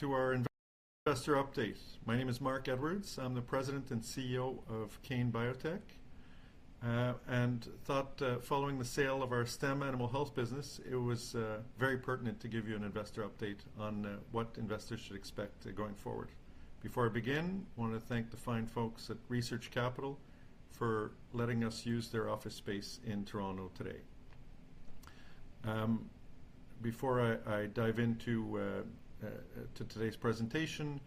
Welcome to our investor update. My name is Marc Edwards. I'm the President and CEO of Kane Biotech, and thought, following the sale of our Stem Animal Health business, it was, very pertinent to give you an investor update on, what investors should expect going forward. Before I begin, I want to thank the fine folks at Research Capital for letting us use their office space in Toronto today. Before I dive into to today's presentation,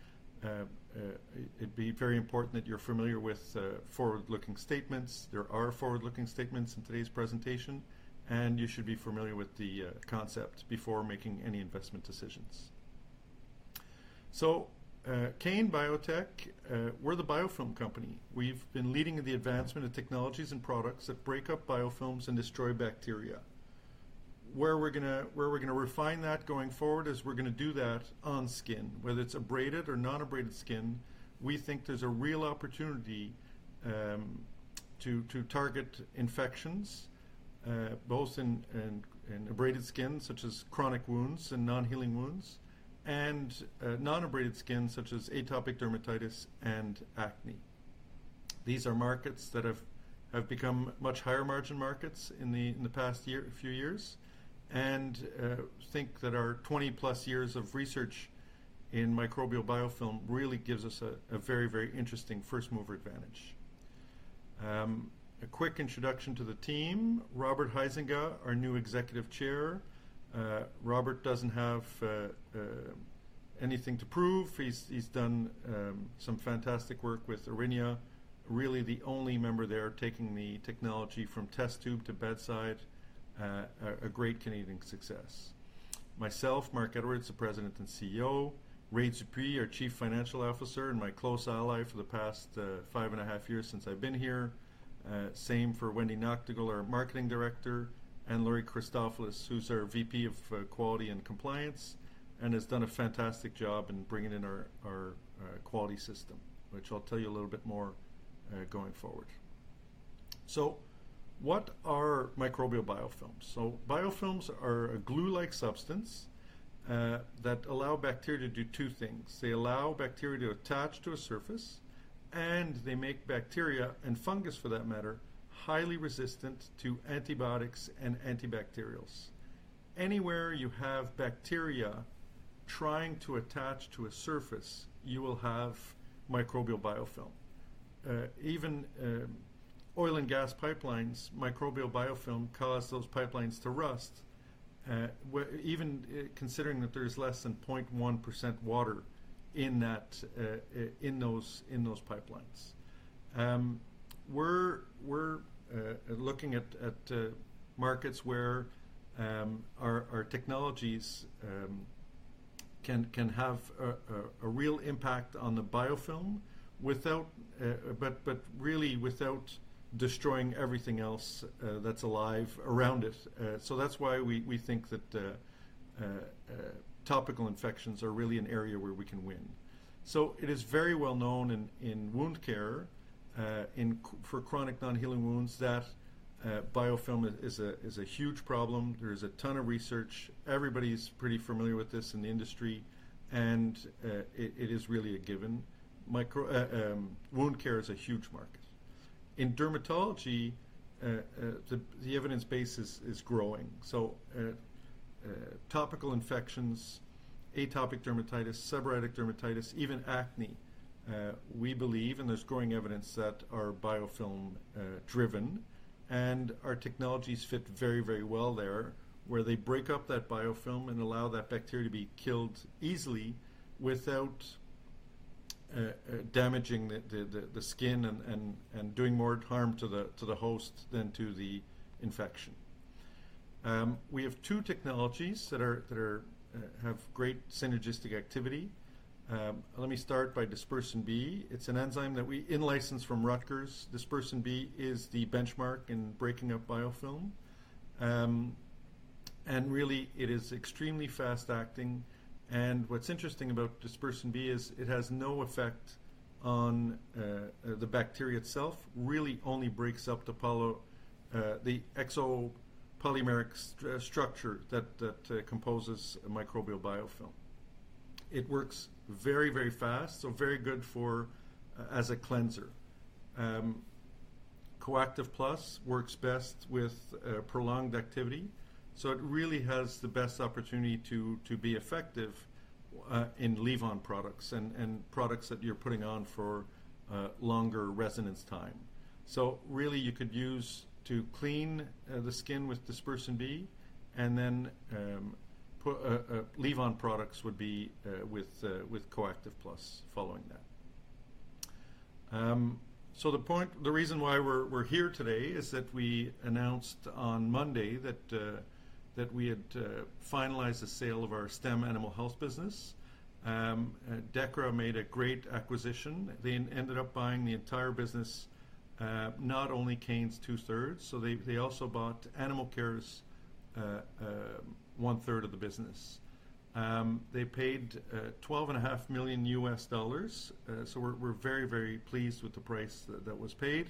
it'd be very important that you're familiar with, forward-looking statements. There are forward-looking statements in today's presentation, and you should be familiar with the, concept before making any investment decisions. So, Kane Biotech, we're the biofilm company. We've been leading in the advancement of technologies and products that break up biofilms and destroy bacteria. Where we're gonna refine that going forward, is we're gonna do that on skin. Whether it's abraded or non-abraded skin, we think there's a real opportunity to target infections both in abraded skin, such as chronic wounds and non-healing wounds, and non-abraded skin, such as atopic dermatitis and acne. These are markets that have become much higher margin markets in the past few years, and think that our 20+ years of research in microbial biofilm really gives us a very, very interesting first mover advantage. A quick introduction to the team. Robert Huizenga, our new Executive Chair. Robert doesn't have anything to prove. He's done some fantastic work with Aurinia, really the only member there taking the technology from test tube to bedside. A great Canadian success. Myself, Marc Edwards, the President and CEO, Ray Dupuis, our Chief Financial Officer, and my close ally for the past five and a half years since I've been here. Same for Wendy Nachtigall, our Marketing Director, and Lori Christopherson, who's our VP of Quality and Compliance, and has done a fantastic job in bringing in our quality system, which I'll tell you a little bit more going forward. What are microbial biofilms? Biofilms are a glue-like substance that allow bacteria to do two things: they allow bacteria to attach to a surface, and they make bacteria, and fungus for that matter, highly resistant to antibiotics and antibacterials. Anywhere you have bacteria trying to attach to a surface, you will have microbial biofilm. Even oil and gas pipelines, microbial biofilm cause those pipelines to rust, even considering that there's less than 0.1% water in that, in those pipelines. We're looking at markets where our technologies can have a real impact on the biofilm without, but really without destroying everything else that's alive around it. So that's why we think that topical infections are really an area where we can win. So it is very well known in wound care, for chronic non-healing wounds, that biofilm is a huge problem. There's a ton of research. Everybody's pretty familiar with this in the industry, and it is really a given. Wound care is a huge market. In dermatology, the evidence base is growing. Topical infections, atopic dermatitis, seborrheic dermatitis, even acne, we believe, and there's growing evidence that are biofilm driven, and our technologies fit very, very well there, where they break up that biofilm and allow that bacteria to be killed easily without damaging the skin and doing more harm to the host than to the infection. We have two technologies that have great synergistic activity. Let me start by Dispersin B. It's an enzyme that we in-licensed from Rutgers. Dispersin B is the benchmark in breaking up biofilm. And really, it is extremely fast-acting. And what's interesting about Dispersin B is it has no effect on the bacteria itself, really only breaks up the exopolymeric structure that composes a microbial biofilm. It works very, very fast, so very good for as a cleanser. Coactive Plus works best with prolonged activity, so it really has the best opportunity to be effective in leave-on products and products that you're putting on for longer residence time. So really, you could use to clean the skin with Dispersin B and then put a leave-on product with Coactive Plus following that. So the point—the reason why we're here today is that we announced on Monday that we had finalized the sale of our Stem Animal Health business. Dechra made a great acquisition. They ended up buying the entire business, not only Kane's two-thirds, so they also bought Animalcare's one-third of the business. They paid $12.5 million. So we're very pleased with the price that was paid,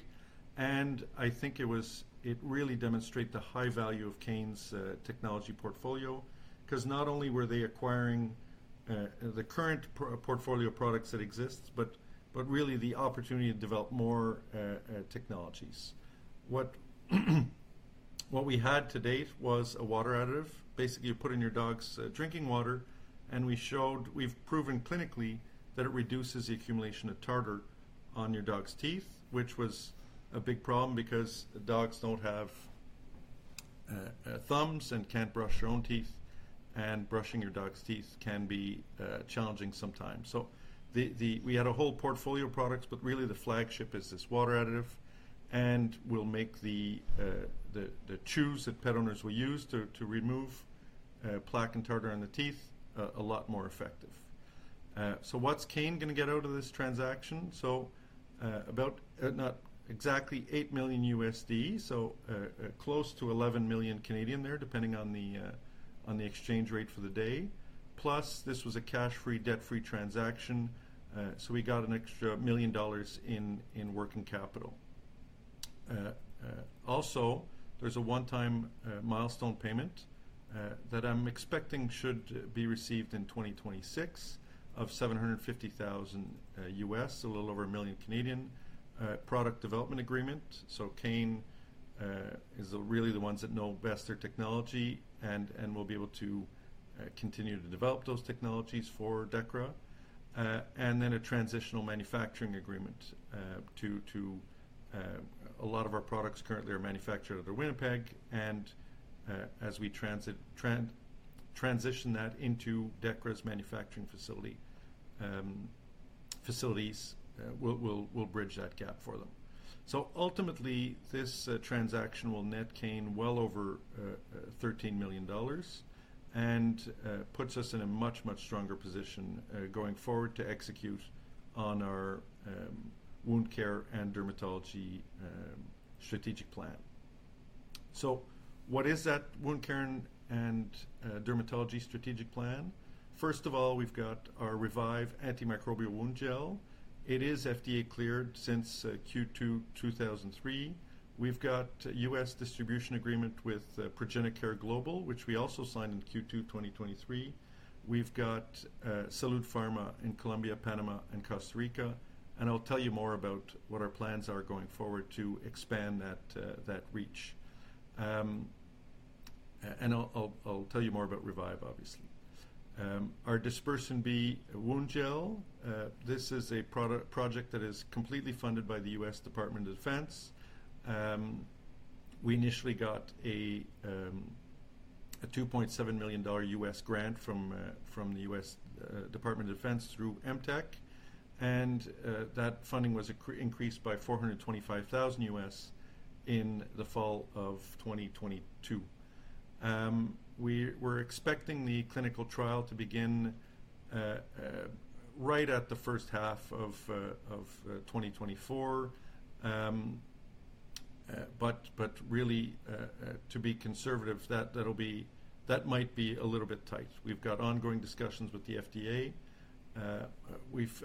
and I think it really demonstrate the high value of Kane's technology portfolio, 'cause not only were they acquiring the current portfolio of products that exists, but really the opportunity to develop more technologies. What we had to date was a water additive. Basically, you put in your dog's drinking water, and we showed—we've proven clinically that it reduces the accumulation of tartar on your dog's teeth, which was a big problem because dogs don't have thumbs and can't brush their own teeth, and brushing your dog's teeth can be challenging sometimes. So the—we had a whole portfolio of products, but really the flagship is this water additive, and will make the chews that pet owners will use to remove plaque and tartar on the teeth a lot more effective. So what's Kane gonna get out of this transaction? So, about not exactly $8 million, so close to 11 million there, depending on the exchange rate for the day. Plus, this was a cash-free, debt-free transaction, so we got an extra $1 million in working capital. Also, there's a one-time milestone payment that I'm expecting should be received in 2026 of $750,000, a little over 1 million, product development agreement. So Kane is really the ones that know best their technology and will be able to continue to develop those technologies for Dechra. And then a transitional manufacturing agreement to a lot of our products currently are manufactured out of Winnipeg, and as we transition that into Dechra's manufacturing facility, facilities, we'll bridge that gap for them. So ultimately, this transaction will net Kane well over 13 million dollars and puts us in a much, much stronger position going forward to execute on our wound care and dermatology strategic plan. So what is that wound care and dermatology strategic plan? First of all, we've got our Revive Antimicrobial Wound Gel. It is FDA-cleared since Q2 2003. We've got a US distribution agreement with ProGeneCare Global, which we also signed in Q2 2023. We've got Salud Pharma in Colombia, Panama, and Costa Rica, and I'll tell you more about what our plans are going forward to expand that reach. And I'll tell you more about Revive, obviously. Our Dispersin B Wound Gel, this is a product project that is completely funded by the US Department of Defense. We initially got a $2.7 million US grant from the US Department of Defense through MTEC, and that funding was increased by $425,000 US in the fall of 2022. We were expecting the clinical trial to begin right at the first half of 2024. But really, to be conservative, that'll be... that might be a little bit tight. We've got ongoing discussions with the FDA.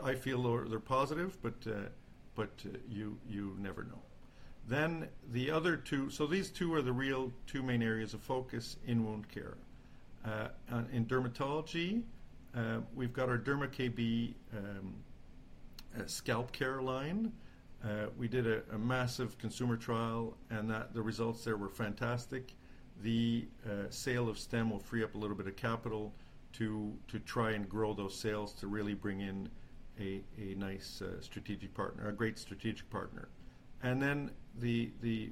I feel they're positive, but you never know. Then the other two... So these two are the real two main areas of focus in wound care. In dermatology, we've got our DermaKB scalp care line. We did a massive consumer trial, and the results there were fantastic. The sale of Stem will free up a little bit of capital to try and grow those sales to really bring in a nice strategic partner, a great strategic partner. And then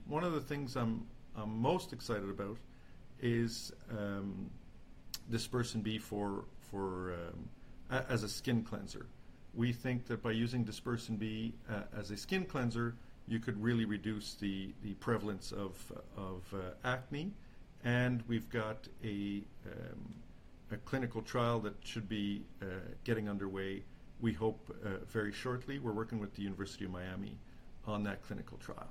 one of the things I'm most excited about is Dispersin B as a skin cleanser. We think that by using Dispersin B as a skin cleanser, you could really reduce the prevalence of acne, and we've got a clinical trial that should be getting underway, we hope, very shortly. We're working with the University of Miami on that clinical trial.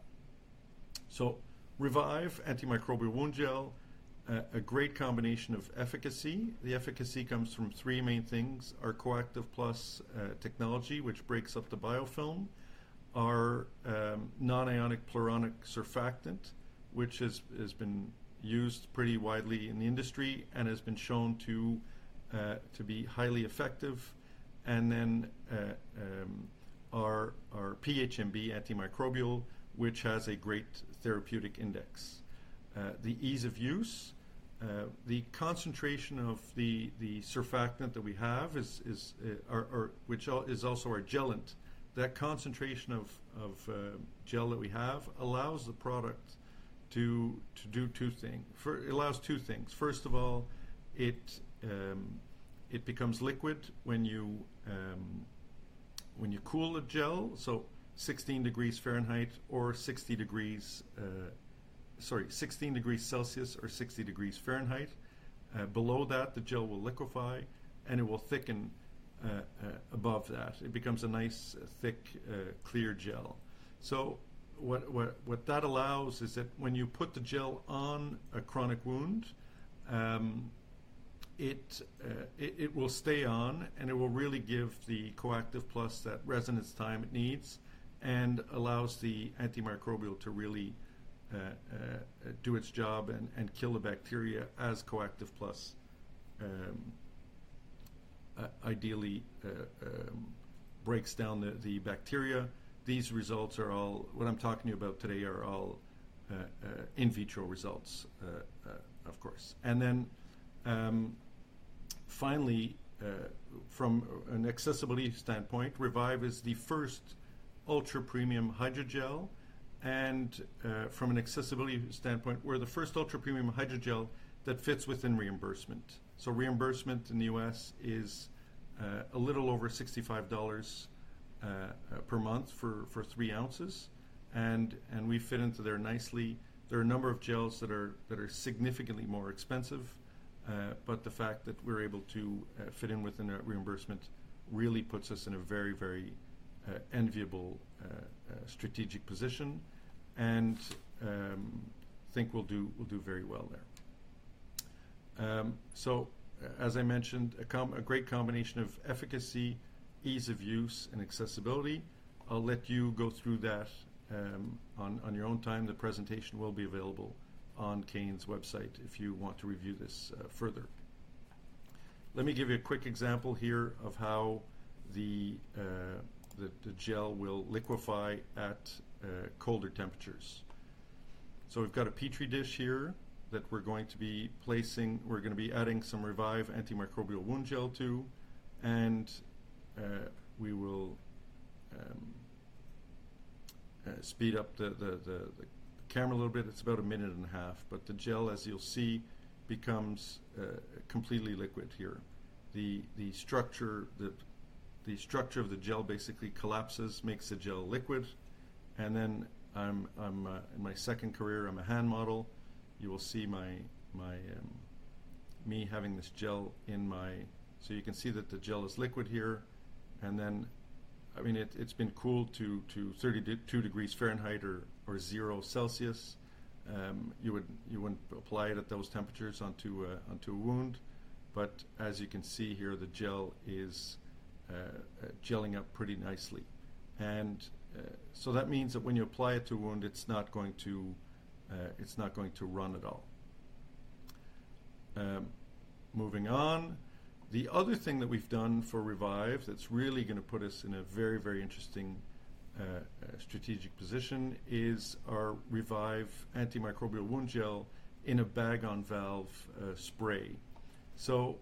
So Revive Antimicrobial Wound Gel, a great combination of efficacy. The efficacy comes from three main things: our Coactive Plus technology, which breaks up the biofilm; our non-ionic Pluronic surfactant, which has been used pretty widely in the industry and has been shown to be highly effective; and then our PHMB antimicrobial, which has a great therapeutic index. The ease of use, the concentration of the surfactant that we have, which is also our gellant. That concentration of gel that we have allows the product to do two things. It allows two things: first of all, it becomes liquid when you cool the gel, so 16 degrees Fahrenheit or 60 degrees, 16 degrees Celsius or 60 degrees Fahrenheit. Below that, the gel will liquefy, and it will thicken above that. It becomes a nice, thick, clear gel. So what that allows is that when you put the gel on a chronic wound, it will stay on, and it will really give the Coactive Plus that residence time it needs and allows the antimicrobial to really do its job and kill the bacteria as Coactive Plus ideally breaks down the bacteria. These results are all what I'm talking to you about today are all in vitro results, of course. And then, finally, from an accessibility standpoint, Revive is the first ultra-premium hydrogel, and from an accessibility standpoint, we're the first ultra-premium hydrogel that fits within reimbursement. Reimbursement in the US is a little over $65 per month for 3 ounces, and we fit into there nicely. There are a number of gels that are significantly more expensive, but the fact that we're able to fit in within that reimbursement really puts us in a very, very enviable strategic position, and I think we'll do very well there. As I mentioned, a great combination of efficacy, ease of use, and accessibility. I'll let you go through that on your own time. The presentation will be available on Kane's website if you want to review this further. Let me give you a quick example here of how the gel will liquefy at colder temperatures. So we've got a Petri dish here that we're going to be placing—we're gonna be adding some Revive Antimicrobial Wound Gel to, and we will speed up the camera a little bit. It's about 1.5 minutes, but the gel, as you'll see, becomes completely liquid here. The structure of the gel basically collapses, makes the gel liquid, and then I'm in my second career, I'm a hand model. You will see me having this gel in my... So you can see that the gel is liquid here, and then, I mean, it's been cooled to 32 degrees Fahrenheit or 0 degrees Celsius. You wouldn't apply it at those temperatures onto a wound, but as you can see here, the gel is gelling up pretty nicely. So that means that when you apply it to a wound, it's not going to run at all. Moving on. The other thing that we've done for Revive that's really gonna put us in a very, very interesting strategic position is our Revive Antimicrobial Wound Gel in a bag-on-valve spray. So,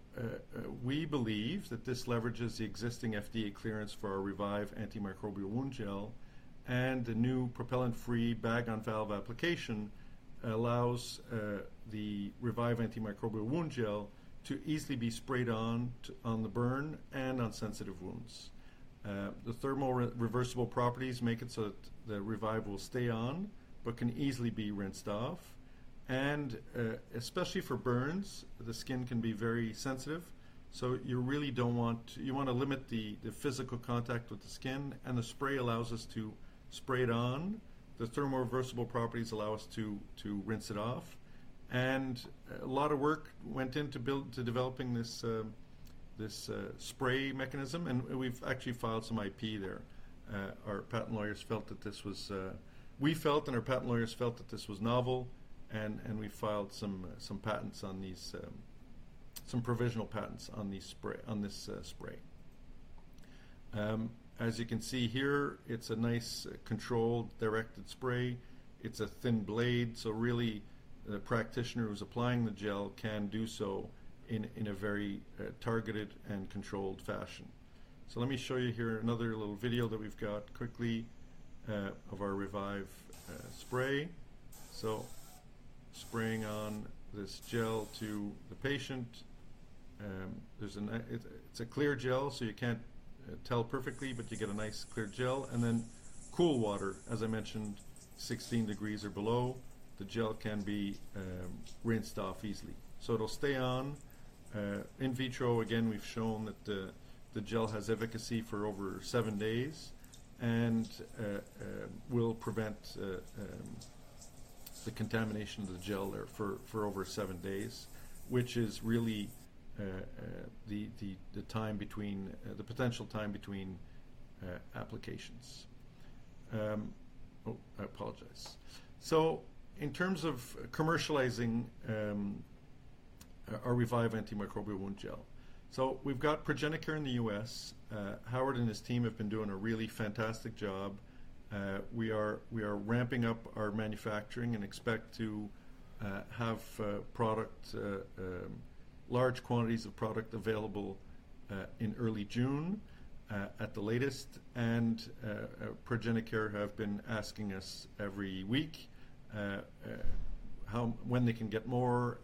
we believe that this leverages the existing FDA clearance for our Revive Antimicrobial Wound Gel, and the new propellant-free bag-on-valve application allows the Revive Antimicrobial Wound Gel to easily be sprayed on the burn and on sensitive wounds. The thermo-reversible properties make it so that the Revive will stay on but can easily be rinsed off. Especially for burns, the skin can be very sensitive, so you really don't want you wanna limit the physical contact with the skin, and the spray allows us to spray it on. The thermo-reversible properties allow us to rinse it off, and a lot of work went into developing this spray mechanism, and we've actually filed some IP there. Our patent lawyers felt that this was. We felt, and our patent lawyers felt that this was novel, and we filed some patents on these, some provisional patents on this spray. As you can see here, it's a nice, controlled, directed spray. It's a thin blade, so really, the practitioner who's applying the gel can do so in a very targeted and controlled fashion. So let me show you here another little video that we've got quickly of our Revive spray. So spraying on this gel to the patient, it's a clear gel, so you can't tell perfectly, but you get a nice, clear gel, and then cool water. As I mentioned, 16 degrees or below, the gel can be rinsed off easily. So it'll stay on. In vitro, again, we've shown that the gel has efficacy for over seven days and will prevent the contamination of the gel therefore, for over seven days, which is really the potential time between applications. Oh, I apologize. So in terms of commercializing our Revive Antimicrobial Wound Gel. So we've got ProGeneCare in the US. Howard and his team have been doing a really fantastic job. We are ramping up our manufacturing and expect to have large quantities of product available in early June at the latest. And ProGeneCare have been asking us every week when they can get more.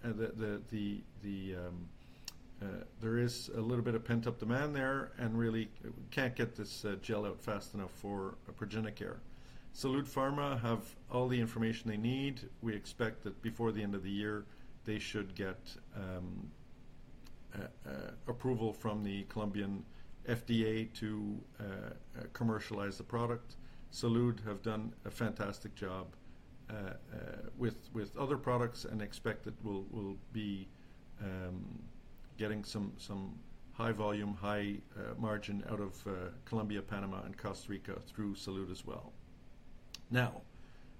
There is a little bit of pent-up demand there, and really, we can't get this gel out fast enough for ProGeneCare. Salud Pharma have all the information they need. We expect that before the end of the year, they should get approval from the Colombian FDA to commercialize the product. Salud have done a fantastic job with other products and expect it will be getting some high volume, high margin out of Colombia, Panama, and Costa Rica through Salud as well. Now,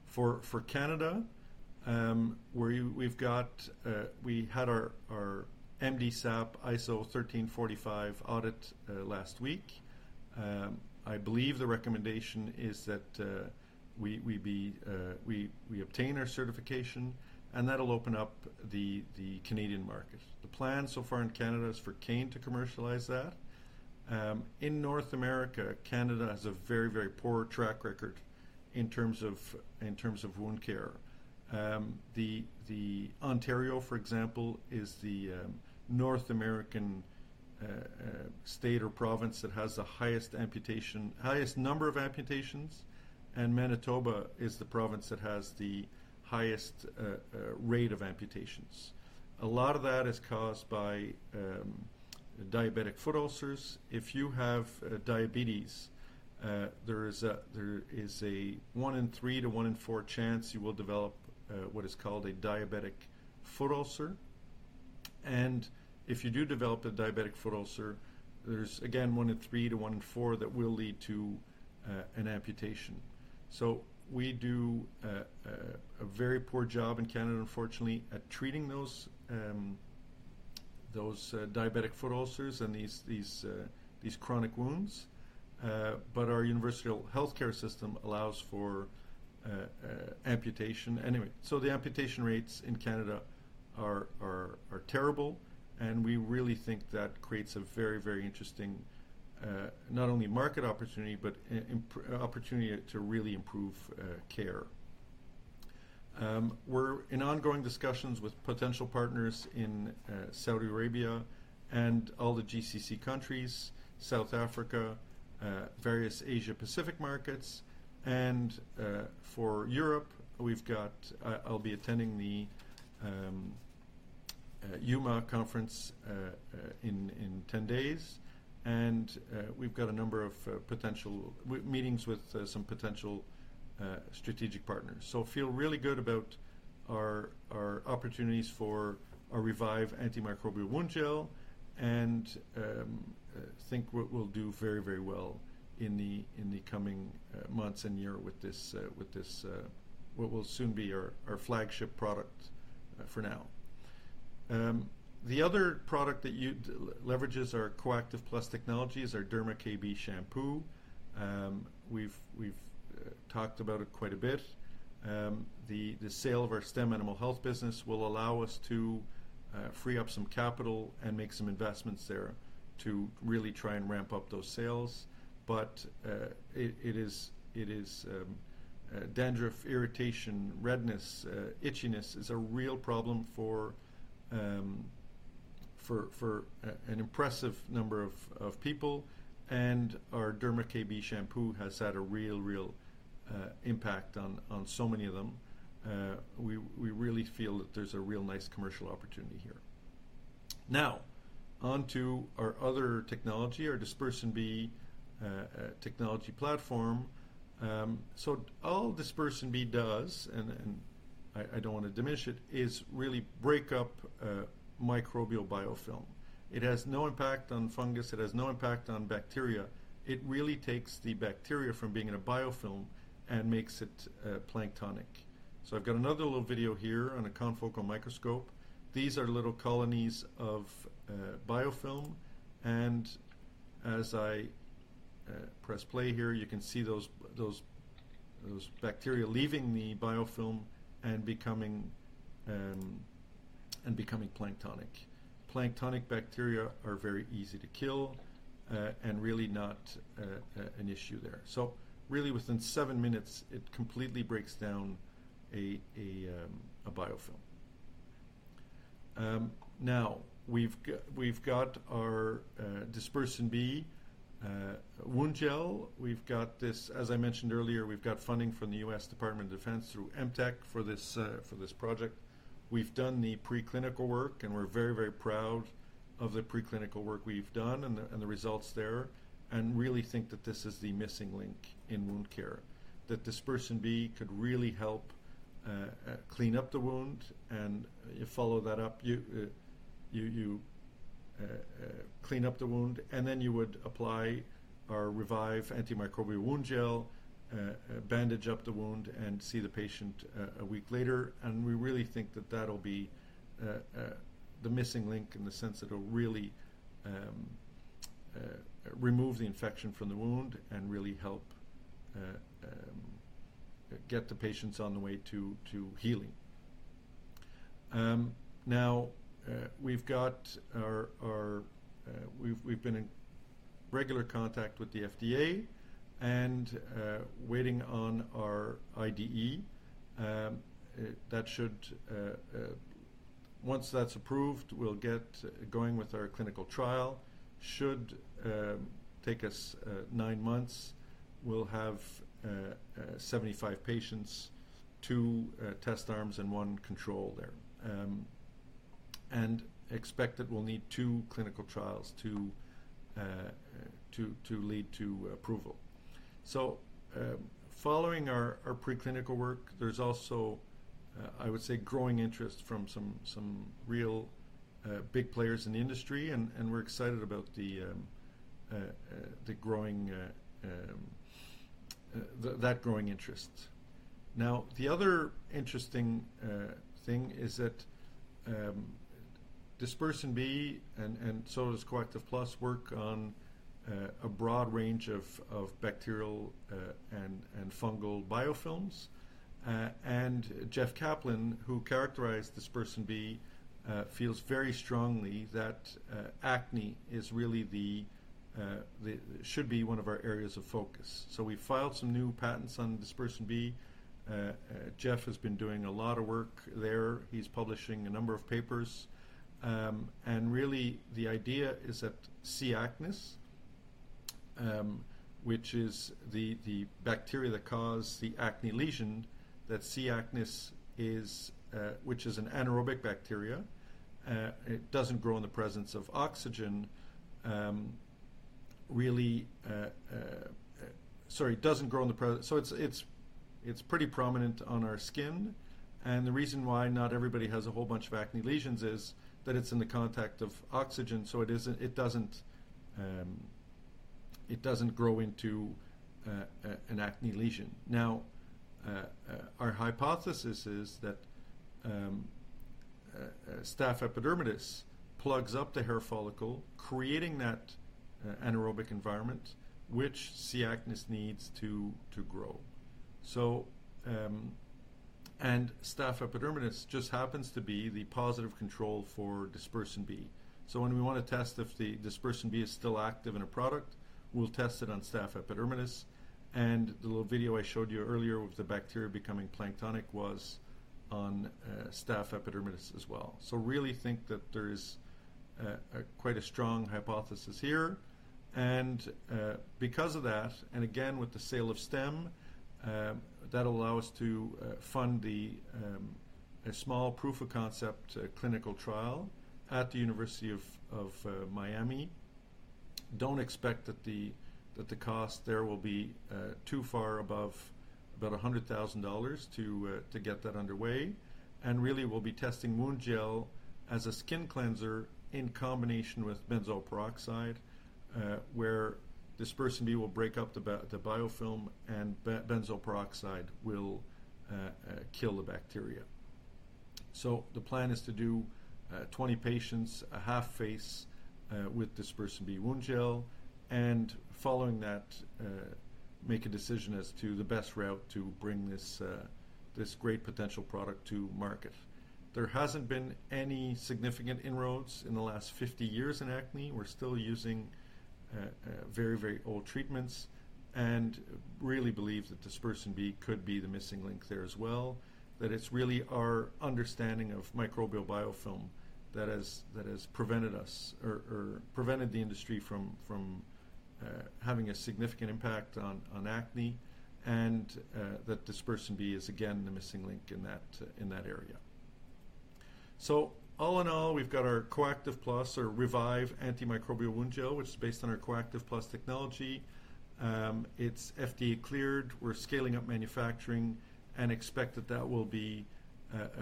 for Canada, we had our MDSAP ISO 13485 audit last week. I believe the recommendation is that we obtain our certification, and that'll open up the Canadian market. The plan so far in Canada is for Kane to commercialize that. In North America, Canada has a very poor track record in terms of wound care. The Ontario, for example, is the North American state or province that has the highest amputation, highest number of amputations, and Manitoba is the province that has the highest rate of amputations. A lot of that is caused by diabetic foot ulcers. If you have diabetes, there is a 1 in 3 to 1 in 4 chance you will develop what is called a diabetic foot ulcer. And if you do develop a diabetic foot ulcer, there's again 1 in 3 to 1 in 4 that will lead to an amputation. So we do a very poor job in Canada, unfortunately, at treating those diabetic foot ulcers and these chronic wounds. But our universal healthcare system allows for amputation. Anyway, the amputation rates in Canada are terrible, and we really think that creates a very, very interesting not only market opportunity, but an opportunity to really improve care. We're in ongoing discussions with potential partners in Saudi Arabia and all the GCC countries, South Africa, various Asia-Pacific markets, and for Europe, we've got. I'll be attending the EWMA conference in 10 days, and we've got a number of potential meetings with some potential strategic partners. So feel really good about our opportunities for our Revive Antimicrobial Wound Gel, and think we'll do very, very well in the coming months and year with this, with this what will soon be our flagship product for now. The other product that leverages our Coactive Plus technology is our DermaKB shampoo. We've talked about it quite a bit. The sale of our Stem Animal Health business will allow us to free up some capital and make some investments there to really try and ramp up those sales. But it is dandruff, irritation, redness, itchiness is a real problem for an impressive number of people, and our DermaKB shampoo has had a real impact on so many of them. We really feel that there's a real nice commercial opportunity here. Now, on to our other technology, our Dispersin B technology platform. So all Dispersin B does, I don't want to diminish it, is really break up microbial biofilm. It has no impact on fungus. It has no impact on bacteria. It really takes the bacteria from being in a biofilm and makes it planktonic. So I've got another little video here on a confocal microscope. These are little colonies of biofilm, and as I press play here, you can see those bacteria leaving the biofilm and becoming planktonic. Planktonic bacteria are very easy to kill and really not an issue there. So really, within seven minutes, it completely breaks down a biofilm. Now, we've got our Dispersin B wound gel. We've got this... As I mentioned earlier, we've got funding from the US Department of Defense through MTEC for this, for this project. We've done the preclinical work, and we're very, very proud of the preclinical work we've done and the, and the results there, and really think that this is the missing link in wound care, that Dispersin B could really help, clean up the wound, and you follow that up, you clean up the wound, and then you would apply our Revive antimicrobial wound gel, bandage up the wound, and see the patient, a week later. And we really think that that'll be, the missing link in the sense that it'll really, remove the infection from the wound and really help, get the patients on the way to healing. Now, we've been in regular contact with the FDA and waiting on our IDE. That should... Once that's approved, we'll get going with our clinical trial. Should take us nine months. We'll have 75 patients, two test arms and one control there. And expect that we'll need two clinical trials to lead to approval. So, following our preclinical work, there's also, I would say, growing interest from some real big players in the industry, and we're excited about the growing interest. Now, the other interesting thing is that Dispersin B and so does Coactive Plus work on a broad range of bacterial and fungal biofilms. And Jeff Kaplan, who characterized Dispersin B, feels very strongly that acne is really the should be one of our areas of focus. So we filed some new patents on Dispersin B. Jeff has been doing a lot of work there. He's publishing a number of papers. And really, the idea is that C. acnes, which is the bacteria that cause the acne lesion, that C. acnes is which is an anaerobic bacteria, it doesn't grow in the presence of oxygen, really. So it's pretty prominent on our skin, and the reason why not everybody has a whole bunch of acne lesions is that it's in the presence of oxygen, so it isn't—it doesn't grow into an acne lesion. Now, our hypothesis is that Staph epidermidis plugs up the hair follicle, creating that anaerobic environment, which C. acnes needs to grow. So, and Staph epidermidis just happens to be the positive control for Dispersin B. So when we wanna test if the Dispersin B is still active in a product, we'll test it on Staph epidermidis, and the little video I showed you earlier of the bacteria becoming planktonic was on Staph epidermidis as well. So really think that there is a quite a strong hypothesis here, and because of that, and again, with the sale of Stem, that'll allow us to fund a small proof-of-concept clinical trial at the University of Miami. Don't expect that the cost there will be too far above about $100,000 to get that underway, and really, we'll be testing wound gel as a skin cleanser in combination with benzoyl peroxide, where Dispersin B will break up the biofilm, and benzoyl peroxide will kill the bacteria. So the plan is to do 20 patients, a half face, with Dispersin B wound gel, and following that, make a decision as to the best route to bring this great potential product to market. There hasn't been any significant inroads in the last 50 years in acne. We're still using very, very old treatments, and really believe that Dispersin B could be the missing link there as well. That it's really our understanding of microbial biofilm that has prevented us or prevented the industry from having a significant impact on acne, and that Dispersin B is again the missing link in that area. So all in all, we've got our Coactive Plus or Revive Antimicrobial Wound Gel, which is based on our Coactive Plus technology. It's FDA-cleared. We're scaling up manufacturing and expect that that will be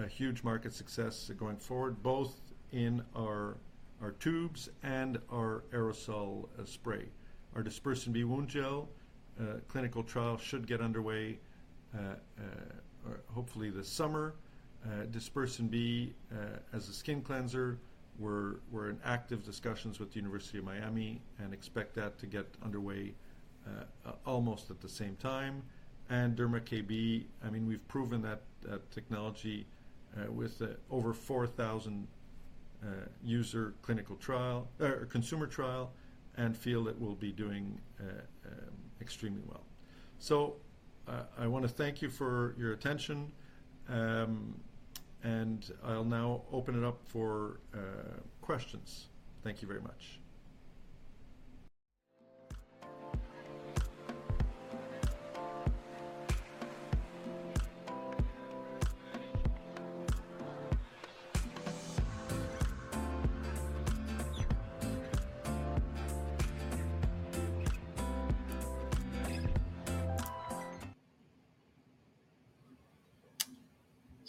a huge market success going forward, both in our tubes and our aerosol spray. Our Dispersin B wound gel clinical trial should get underway hopefully this summer. Dispersin B as a skin cleanser, we're in active discussions with the University of Miami and expect that to get underway almost at the same time. And DermaKB, I mean, we've proven that technology with over 4,000-user consumer trial, and feel it will be doing extremely well. So, I wanna thank you for your attention, and I'll now open it up for questions. Thank you very much.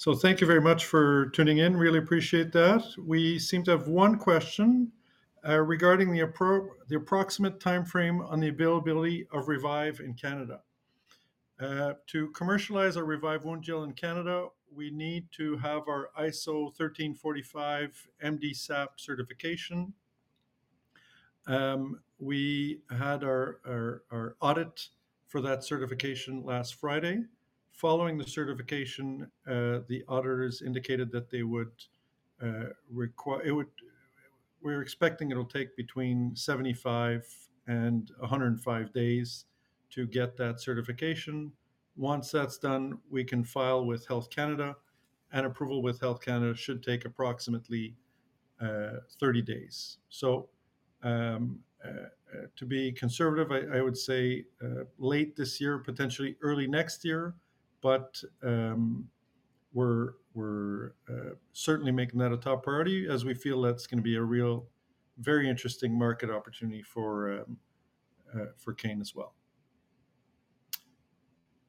So thank you very much for tuning in. Really appreciate that. We seem to have one question regarding the approximate timeframe on the availability of Revive in Canada. To commercialize our Revive wound gel in Canada, we need to have our ISO 13485 MDSAP certification. We had our audit for that certification last Friday. Following the certification, the auditors indicated that they would, we're expecting it'll take between 75-105 days to get that certification. Once that's done, we can file with Health Canada, and approval with Health Canada should take approximately 30 days. So, to be conservative, I would say late this year, potentially early next year, but, we're certainly making that a top priority, as we feel that's gonna be a real, very interesting market opportunity for Kane as well.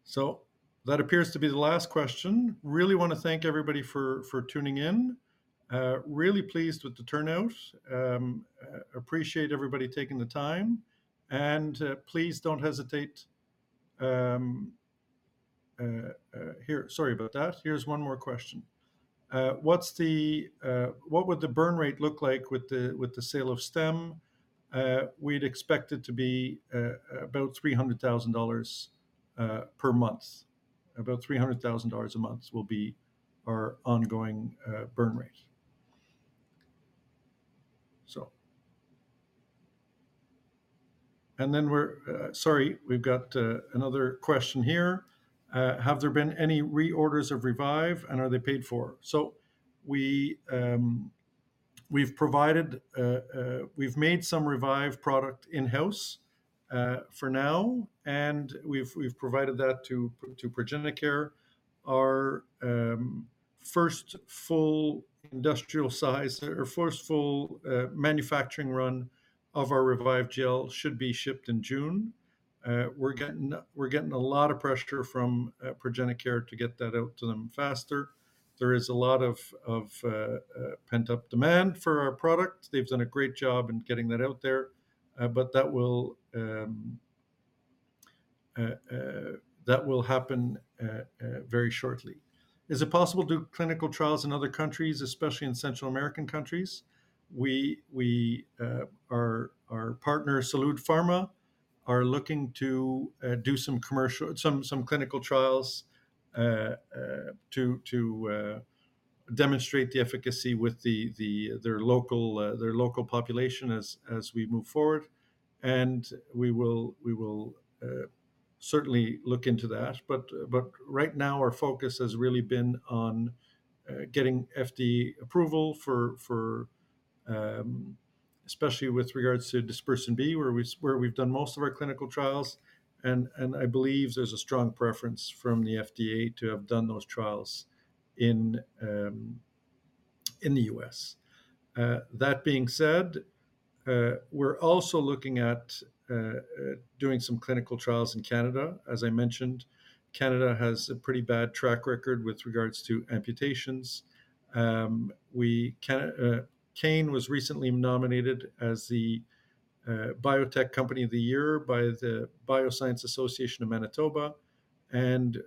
So that appears to be the last question. Really wanna thank everybody for tuning in. Really pleased with the turnout. Appreciate everybody taking the time, and, please don't hesitate, here... Sorry about that. Here's one more question. What would the burn rate look like with the sale of Stem? We'd expect it to be about 300,000 dollars per month. About 300,000 dollars a month will be our ongoing burn rate. And then we're... Sorry, we've got another question here. "Have there been any reorders of Revive, and are they paid for?" So we've provided... We've made some Revive product in-house for now, and we've provided that to ProGeneCare. Our first full industrial size or first full manufacturing run of our Revive gel should be shipped in June. We're getting a lot of pressure from ProGeneCare to get that out to them faster. There is a lot of pent-up demand for our product. They've done a great job in getting that out there, but that will happen very shortly. "Is it possible to do clinical trials in other countries, especially in Central American countries?" We, our partner, Salud Pharma, are looking to do some commercial, some clinical trials to demonstrate the efficacy with the their local population as we move forward. We will certainly look into that. Right now our focus has really been on getting FDA approval for... Especially with regards to Dispersin B, where we've done most of our clinical trials, and I believe there's a strong preference from the FDA to have done those trials in the US. That being said, we're also looking at doing some clinical trials in Canada. As I mentioned, Canada has a pretty bad track record with regards to amputations. We, Kane was recently nominated as the Biotech Company of the Year by the Bioscience Association of Manitoba, and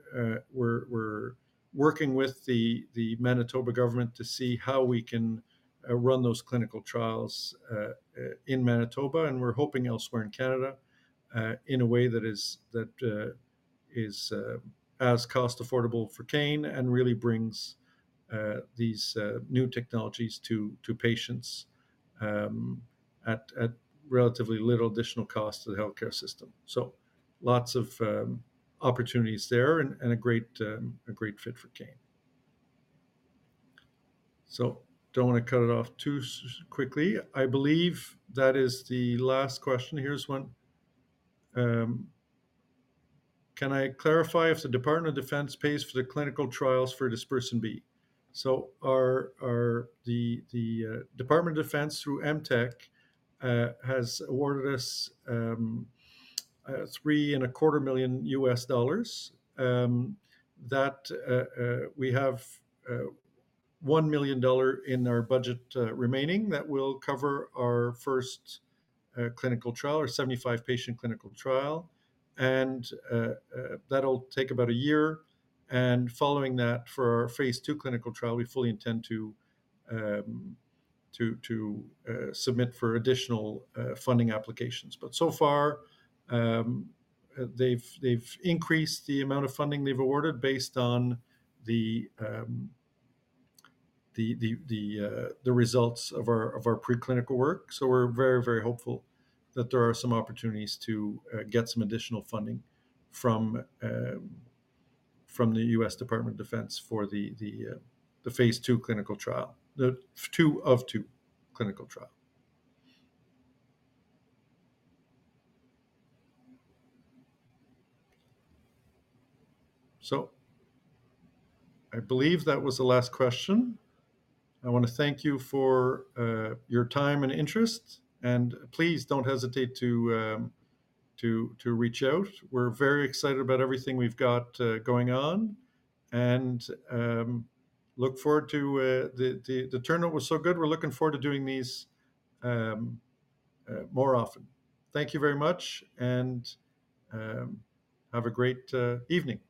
we're working with the Manitoba government to see how we can run those clinical trials in Manitoba, and we're hoping elsewhere in Canada in a way that is as cost-affordable for Kane and really brings these new technologies to patients at relatively little additional cost to the healthcare system. So lots of opportunities there and a great fit for Kane. So don't wanna cut it off too quickly. I believe that is the last question. Here's one. "Can I clarify if the Department of Defense pays for the clinical trials for Dispersin B?" So the Department of Defense, through MTEC, has awarded us $3.25 million. That we have $1 million in our budget remaining. That will cover our first clinical trial, our 75-patient clinical trial, and that'll take about a year. And following that, for our phase II clinical trial, we fully intend to submit for additional funding applications. But so far, they've increased the amount of funding they've awarded based on the results of our preclinical work. So we're very, very hopeful that there are some opportunities to get some additional funding from from the US Department of Defense for the the phase II clinical trial, the two of two clinical trial. So I believe that was the last question. I wanna thank you for your time and interest, and please don't hesitate to to reach out. We're very excited about everything we've got going on, and look forward to... The turnout was so good. We're looking forward to doing these more often. Thank you very much, and have a great evening.